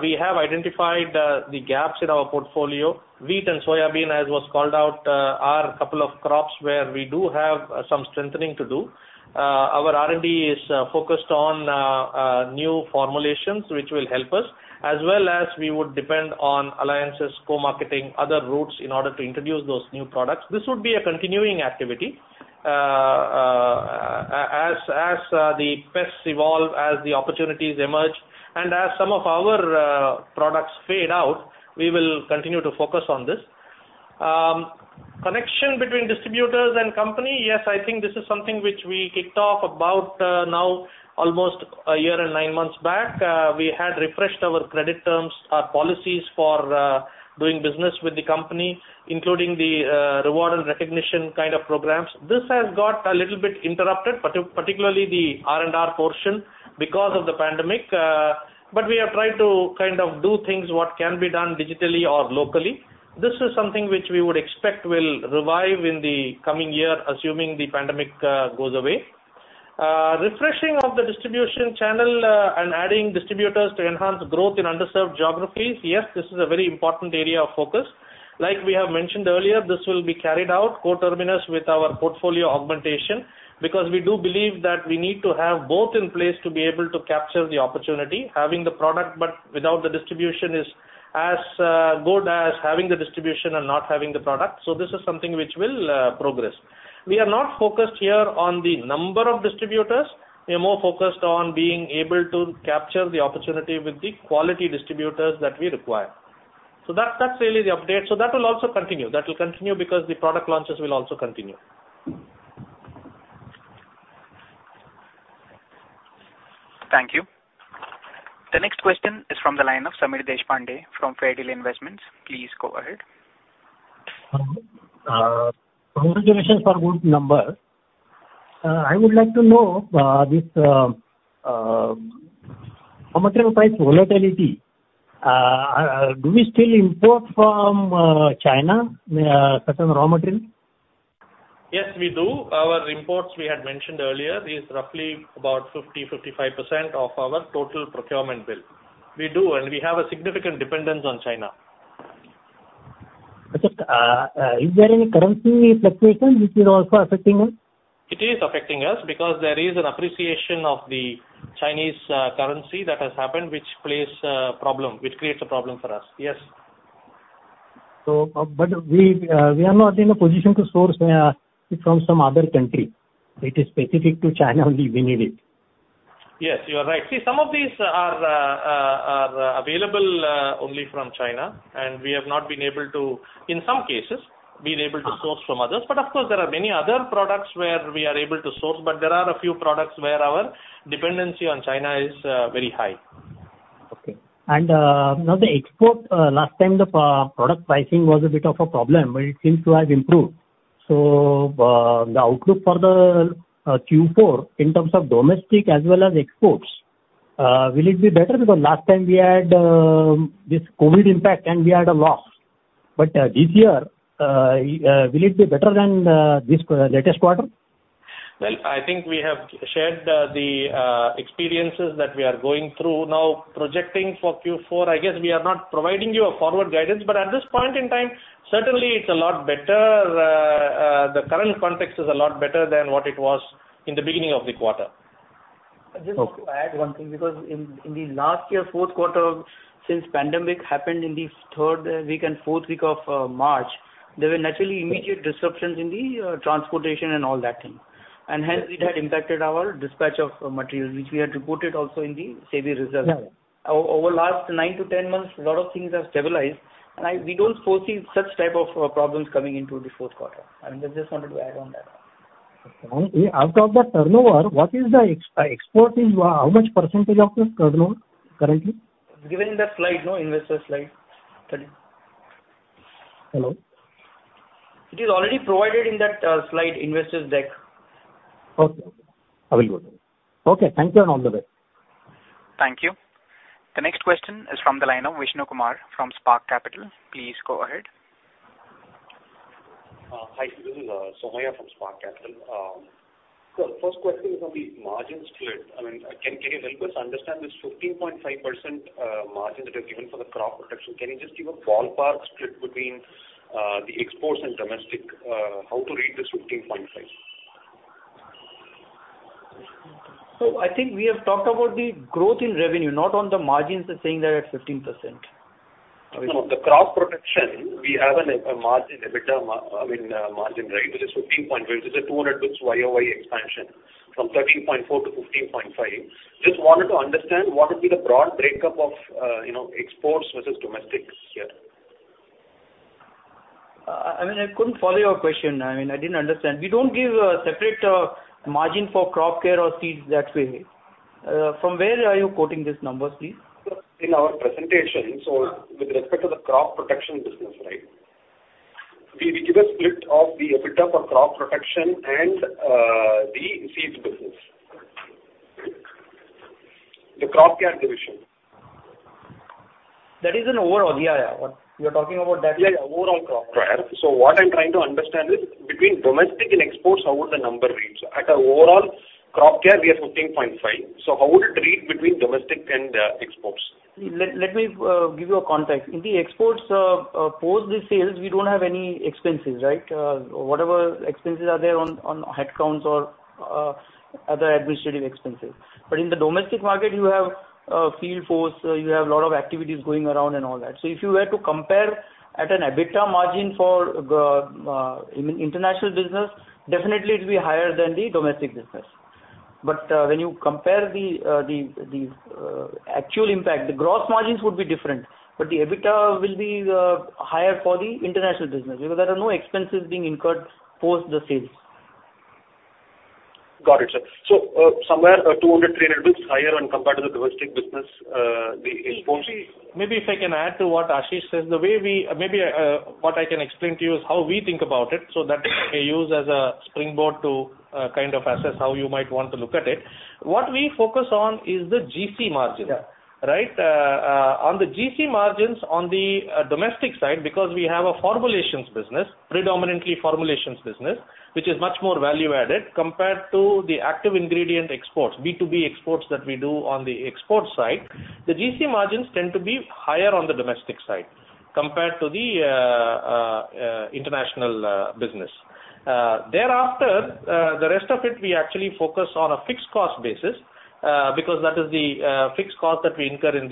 We have identified the gaps in our portfolio. Wheat and soybean, as was called out, are a couple of crops where we do have some strengthening to do. Our R&D is focused on new formulations, which will help us, as well as we would depend on alliances, co-marketing, other routes in order to introduce those new products. This would be a continuing activity. As the pests evolve, as the opportunities emerge, as some of our products fade out, we will continue to focus on this. Connection between distributors and company. Yes, I think this is something which we kicked off about now almost a year and nine months back. We had refreshed our credit terms, our policies for doing business with the company, including the reward and recognition kind of programs. This has got a little bit interrupted, particularly the R&R portion because of the pandemic. We are trying to kind of do things that can be done digitally or locally. This is something which we would expect will revive in the coming year, assuming the pandemic goes away. Refreshing of the distribution channel adding distributors to enhance growth in underserved geographies. Yes, this is a very important area of focus. Like we have mentioned earlier, this will be carried out coterminous with our portfolio augmentation because we do believe that we need to have both in place to be able to capture the opportunity. Having the product but without the distribution is as good as having the distribution and not having the product. This is something which will progress. We are not focused here on the number of distributors. We are more focused on being able to capture the opportunity with the quality distributors that we require. That's really the update. That will also continue. That will continue because the product launches will also continue. Thank you. The next question is from the line of Samir Deshpande from Fairdeal Investments. Please go ahead. Congratulations for good numbers. I would like to know this raw material price volatility. Do we still import from China, certain raw materials? Yes, we do. Our imports, we had mentioned earlier, is roughly about 50%-55% of our total procurement bill. We do, and we have a significant dependence on China. Is there any currency fluctuation which is also affecting us? It is affecting us because there is an appreciation of the Chinese currency that has happened, which creates a problem for us. Yes. We are not in a position to source it from some other country. It is specific to China only we need it. Yes, you are right. See, some of these are available only from China, and we have not, in some cases, been able to source from others. Of course, there are many other products where we are able to source, but there are a few products where our dependency on China is very high. Okay. Now the export, last time the product pricing was a bit of a problem, but it seems to have improved. The outlook for the Q4 in terms of domestic as well as exports, will it be better? Last time we had this COVID impact and we had a loss, but this year, will it be better than this latest quarter? Well, I think we have shared the experiences that we are going through now. Projecting for Q4, I guess we are not providing you a forward guidance, but at this point in time, certainly, the current context is a lot better than what it was in the beginning of the quarter. Okay. Just to add one thing, because in the last year, fourth quarter, since pandemic happened in the third week and fourth week of March, there were naturally immediate disruptions in the transportation and all that thing. Hence it had impacted our dispatch of materials, which we had reported also in the SEBI results. Yeah. Over the last nine to 10 months, a lot of things have stabilized, we don't foresee such type of problems coming into the fourth quarter. I just wanted to add on that. Out of the turnover, what is the export? How much % of the turnover currently? It's given in the slide. Investor slide. Hello. It is already provided in that slide, investors deck. Okay. I will go through. Okay, thank you, and all the best. Thank you. The next question is from the line of Vishnu Kumar from Spark Capital. Please go ahead. Hi, this is Sowmya from Spark Capital. First question is on the margin split. Can you help us understand this 15.5% margin that is given for the crop protection? Can you just give a ballpark split between the exports and domestic, how to read this 15.5%? I think we have talked about the growth in revenue, not on the margins saying they're at 15%. The crop protection, we have a margin, EBITDA, I mean, margin, which is 15.5%. This is a 200 basis points YoY expansion from 13.4% to 15.5%. Just wanted to understand what would be the broad breakup of exports versus domestics here. I couldn't follow your question. I didn't understand. We don't give a separate margin for crop care or seeds that way. From where are you quoting these numbers, please? In our presentation. With respect to the crop protection business. We give a split of the EBITDA for crop protection and the seeds business. The crop care division. That is an overall. Yeah. You're talking about. Yeah, overall crop care. What I'm trying to understand is between domestic and exports, how would the number read? At an overall crop care, we are 15.5%. How would it read between domestic and exports? Let me give you a context. In the exports, post the sales, we don't have any expenses. Whatever expenses are there on headcounts or other administrative expenses. In the domestic market, you have a field force, you have a lot of activities going around and all that. If you were to compare at an EBITDA margin for international business, definitely it'll be higher than the domestic business. When you compare the actual impact, the gross margins would be different. The EBITDA will be higher for the international business because there are no expenses being incurred post the sales. Got it, sir. Somewhere a 200, 300 basis points higher when compared to the domestic business, the exports. Maybe if I can add to what Ashish says. Maybe what I can explain to you is how we think about it, so that you can use as a springboard to kind of assess how you might want to look at it. What we focus on is the GC margin. Yeah. On the GC margins on the domestic side, because we have a predominantly formulations business, which is much more value-added compared to the active ingredient exports, B2B exports that we do on the export side, the GC margins tend to be higher on the domestic side compared to the international business. Thereafter, the rest of it, we actually focus on a fixed cost basis. That is the fixed cost that we incur in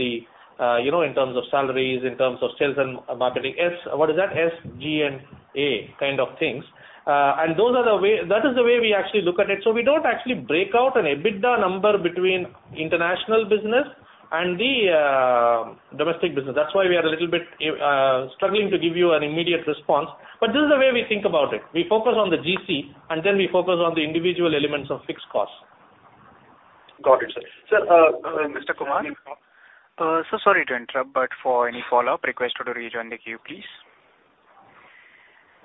terms of salaries, in terms of sales and marketing. SG&A kind of things. That is the way we actually look at it. We don't actually break out an EBITDA number between international business and the domestic business. That's why we are a little bit struggling to give you an immediate response. This is the way we think about it. We focus on the GC, and then we focus on the individual elements of fixed costs. Got it, sir. Mr. Kumar. Sir, sorry to interrupt, but for any follow-up, request to rejoin the queue, please.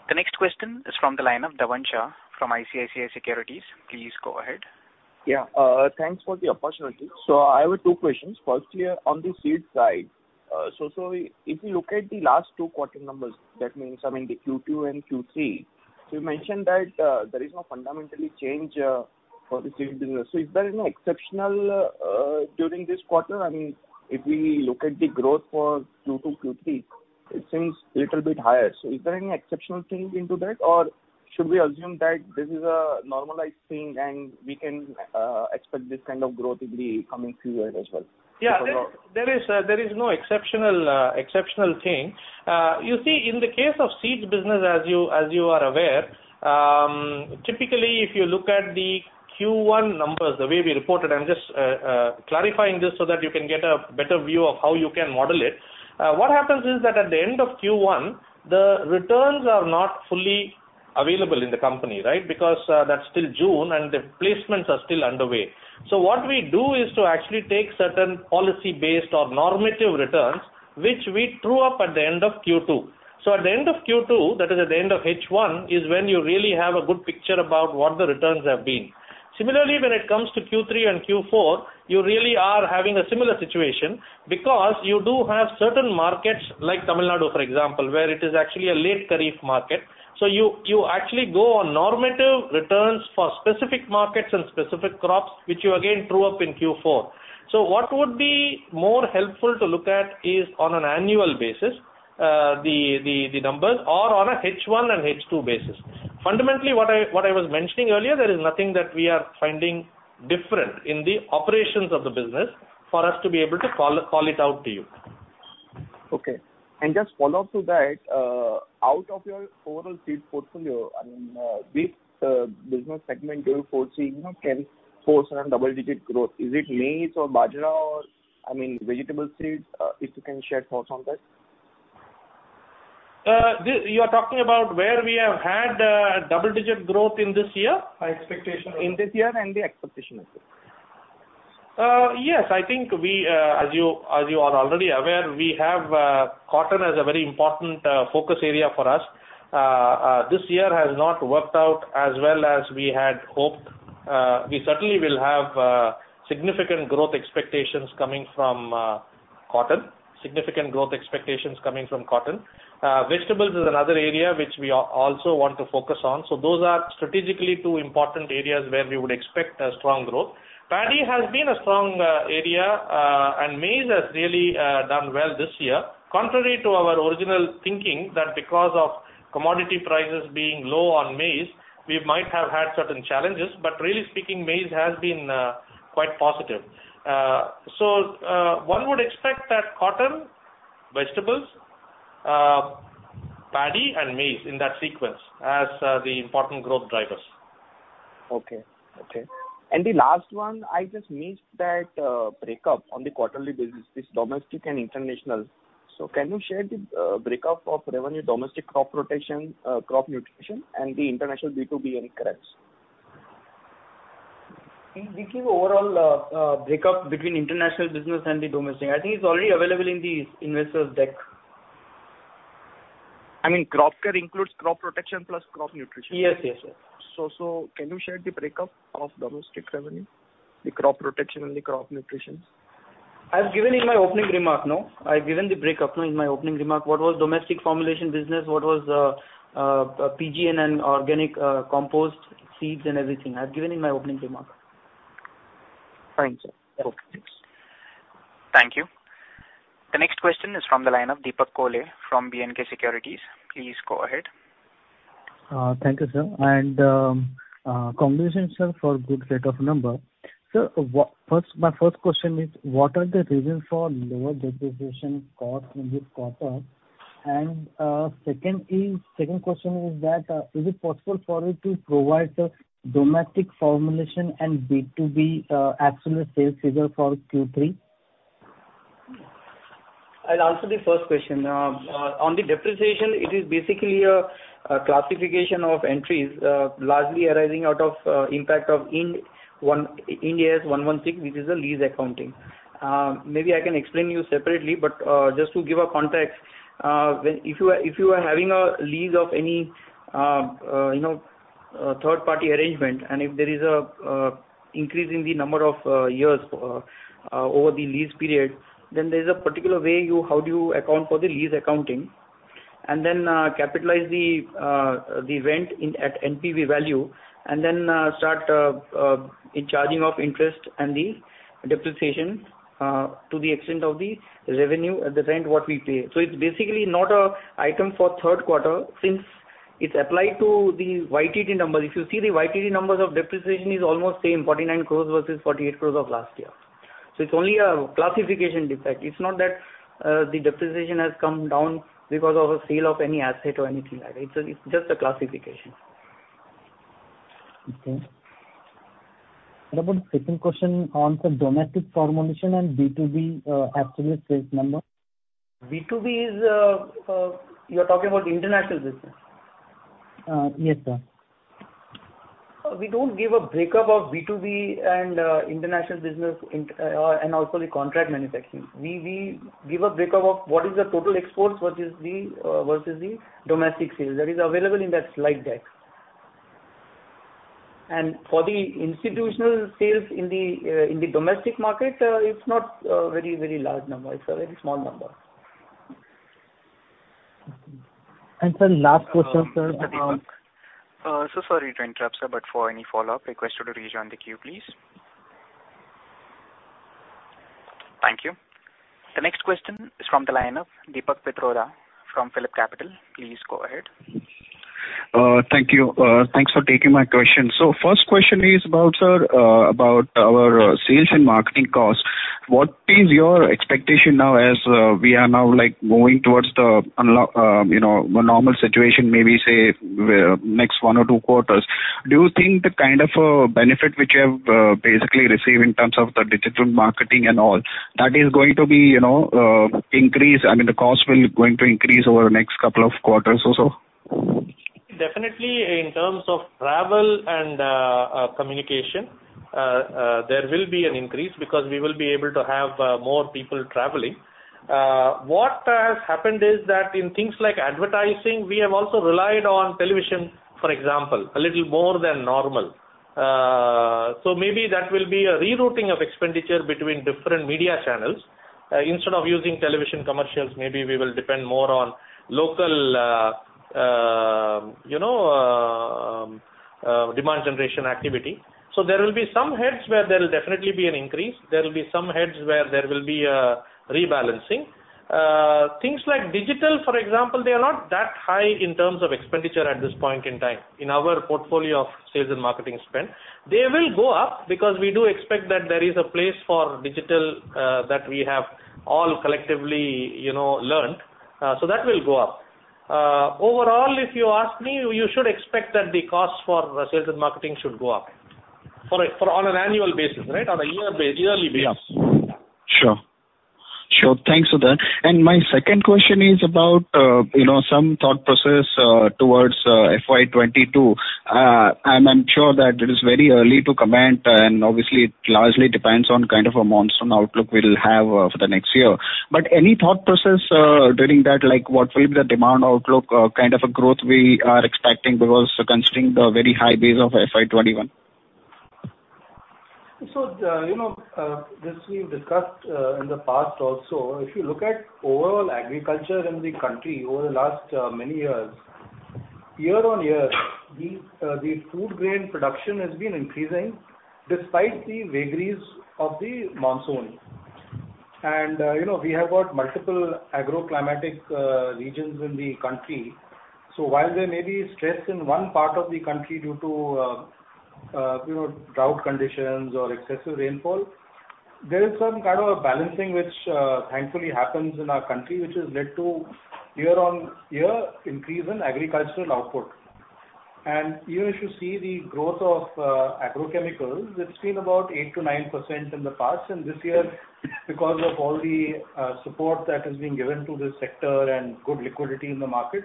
The next question is from the line of Dhruv Desai from ICICI Securities. Please go ahead. Yeah. Thanks for the opportunity. I have two questions. Firstly, on the seed side. If you look at the last two quarter numbers, that means the Q2 and Q3, you mentioned that there is no fundamental change for the seed business. Is there any exceptional during this quarter? If we look at the growth for Q2, Q3, it seems little bit higher. Is there any exceptional change into that or should we assume that this is a normalized thing and we can expect this kind of growth degree coming forward as well? Yeah. There is no exceptional thing. You see, in the case of seeds business, as you are aware, typically, if you look at the Q1 numbers, the way we reported, I am just clarifying this so that you can get a better view of how you can model it. What happens is that at the end of Q1, the returns are not fully available in the company, right? Because that is still June and the placements are still underway. What we do is to actually take certain policy-based or normative returns, which we true up at the end of Q2. At the end of Q2, that is at the end of H1, is when you really have a good picture about what the returns have been. Similarly, when it comes to Q3 and Q4, you really are having a similar situation because you do have certain markets like Tamil Nadu, for example, where it is actually a late Kharif market. You actually go on normative returns for specific markets and specific crops, which you again true up in Q4. What would be more helpful to look at is on an annual basis, the numbers or on a H1 and H2 basis. Fundamentally, what I was mentioning earlier, there is nothing that we are finding different in the operations of the business for us to be able to call it out to you. Okay. Just follow up to that. Out of your overall seed portfolio, which business segment you are foreseeing can force around double-digit growth? Is it maize or bajra or vegetable seeds? If you can share thoughts on that. You are talking about where we have had double-digit growth in this year? High expectation. In this year and the expectation as well. Yes, I think as you are already aware, we have cotton as a very important focus area for us. This year has not worked out as well as we had hoped. We certainly will have significant growth expectations coming from cotton. Vegetables is another area which we also want to focus on. Those are strategically two important areas where we would expect a strong growth. Paddy has been a strong area and maize has really done well this year. Contrary to our original thinking that because of commodity prices being low on maize, we might have had certain challenges, but really speaking, maize has been quite positive. One would expect that cotton, vegetables, paddy, and maize in that sequence as the important growth drivers. Okay. The last one, I just missed that breakup on the quarterly basis, this domestic and international. Can you share the breakup of revenue domestic crop nutrition and the international B2B, any colours? We gave overall breakup between international business and the domestic. I think it's already available in the investor's deck. Crop care includes crop protection plus crop nutrition. Yes. Can you share the breakup of domestic revenue, the crop protection and the crop nutrition? I've given in my opening remark, no? I've given the breakup in my opening remark. What was domestic formulation business, what was PG and organic compost seeds and everything. I've given in my opening remark. Fine, sir. Okay, thanks. Thank you. The next question is from the line of Deepak Khole from BNK Securities. Please go ahead. Thank you, sir. Congratulations for good set of number. Sir, my first question is, what are the reasons for lower depreciation cost in this quarter? Second question is that, is it possible for you to provide domestic formulation and B2B absolute sales figure for Q3? I'll answer the first question. On the depreciation, it is basically a classification of entries, largely arising out of impact of Ind AS 116, which is a lease accounting. Maybe I can explain you separately, but just to give a context. If you are having a lease of any third-party arrangement and if there is an increase in the number of years over the lease period, then there's a particular way how do you account for the lease accounting and then capitalize the rent at NPV value and then start charging of interest and the depreciation to the extent of the revenue at the rent what we pay. It's basically not an item for third quarter since It's applied to the YTD numbers. If you see, the YTD numbers of depreciation is almost same, 49 crores versus 48 crores of last year. It's only a classification defect. It's not that the depreciation has come down because of a sale of any asset or anything like that. It's just a classification. Okay. What about second question on some domestic formulation and B2B absolute sales number? You're talking about international business? Yes, sir. We don't give a break-up of B2B and international business, and also the contract manufacturing. We give a break-up of what is the total exports versus the domestic sales. That is available in that slide deck. For the institutional sales in the domestic market, it's not a very large number. It's a very small number. Okay. Sir, last question, sir. Sorry to interrupt, sir. For any follow-up, request you to rejoin the queue, please. Thank you. The next question is from the line of Deepak Purswani from PhillipCapital. Please go ahead. Thank you. Thanks for taking my question. First question is, sir, about our sales and marketing cost. What is your expectation now as we are now moving towards the normal situation, maybe say, next one or two quarters. Do you think the kind of benefit which you have basically received in terms of the digital marketing and all, that is going to be increased, I mean, the cost going to increase over the next couple of quarters also? Definitely in terms of travel and communication, there will be an increase because we will be able to have more people traveling. What has happened is that in things like advertising, we have also relied on television, for example, a little more than normal. Maybe that will be a rerouting of expenditure between different media channels. Instead of using television commercials, maybe we will depend more on local demand generation activity. There will be some heads where there'll definitely be an increase. There will be some heads where there will be a rebalancing. Things like digital, for example, they are not that high in terms of expenditure at this point in time, in our portfolio of sales and marketing spend. They will go up because we do expect that there is a place for digital that we have all collectively learned. That will go up. Overall, if you ask me, you should expect that the cost for sales and marketing should go up on an annual basis, right? On a yearly basis. Sure. Thanks, Sudhir. My second question is about some thought process towards FY 2022. I'm sure that it is very early to comment, and obviously it largely depends on kind of a monsoon outlook we'll have for the next year. Any thought process during that, like what will be the demand outlook, kind of a growth we are expecting because considering the very high base of FY 2021? This we've discussed in the past also. If you look at overall agriculture in the country over the last many years, year-over-year, the food grain production has been increasing despite the vagaries of the monsoon. We have got multiple agro-climatic regions in the country. While there may be stress in one part of the country due to drought conditions or excessive rainfall, there is some kind of a balancing which thankfully happens in our country, which has led to year-over-year increase in agricultural output. If you see the growth of agrochemicals, it's been about 8%-9% in the past. This year, because of all the support that is being given to this sector and good liquidity in the market,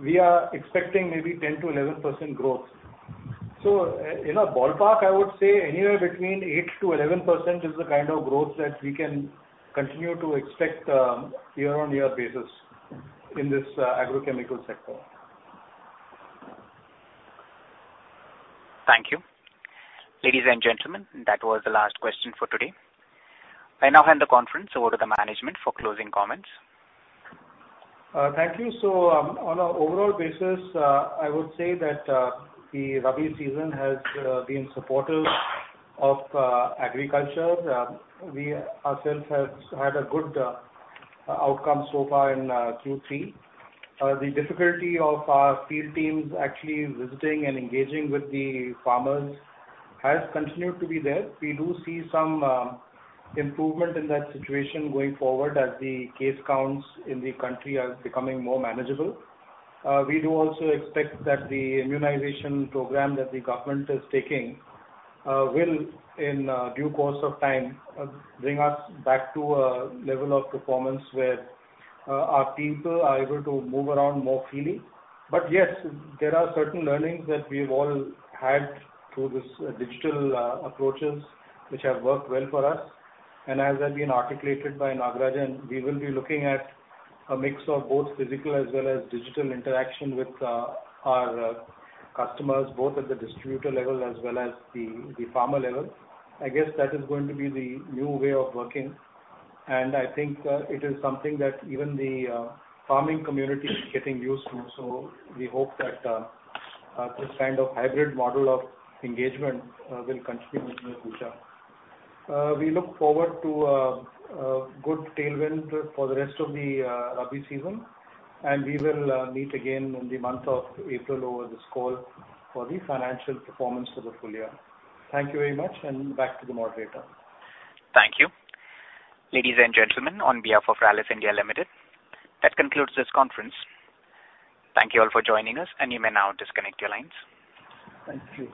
we are expecting maybe 10%-11% growth. In a ballpark, I would say anywhere between 8%-11% is the kind of growth that we can continue to expect year-over-year basis in this agrochemical sector. Thank you. Ladies and gentlemen, that was the last question for today. I now hand the conference over to the management for closing comments. Thank you. On an overall basis, I would say that the Rabi season has been supportive of agriculture. We ourselves have had a good outcome so far in Q3. The difficulty of our field teams actually visiting and engaging with the farmers has continued to be there. We do see some improvement in that situation going forward as the case counts in the country are becoming more manageable. We do also expect that the immunization program that the government is taking will, in due course of time, bring us back to a level of performance where our people are able to move around more freely. Yes, there are certain learnings that we've all had through this digital approaches, which have worked well for us. As has been articulated by Nagarajan, we will be looking at a mix of both physical as well as digital interaction with our customers, both at the distributor level as well as the farmer level. I guess that is going to be the new way of working, and I think it is something that even the farming community is getting used to. We hope that this kind of hybrid model of engagement will continue into the future. We look forward to a good tailwind for the rest of the Rabi season, and we will meet again in the month of April over this call for the financial performance for the full year. Thank you very much, and back to the moderator. Thank you. Ladies and gentlemen, on behalf of Rallis India Limited, that concludes this conference. Thank you all for joining us, and you may now disconnect your lines. Thank you.